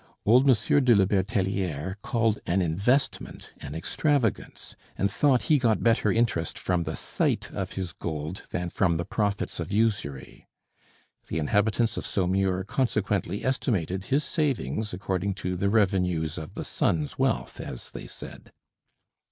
Old Monsieur de la Bertelliere called an investment an extravagance, and thought he got better interest from the sight of his gold than from the profits of usury. The inhabitants of Saumur consequently estimated his savings according to "the revenues of the sun's wealth," as they said.